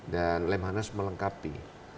dan lemhanas melengkapi